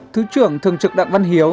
thứ trưởng thường trực đặng văn hiếu